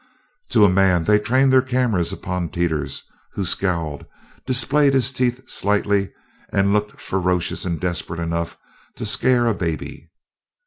To a man they trained their cameras upon Teeters, who scowled, displayed his teeth slightly, and looked ferocious and desperate enough to scare a baby.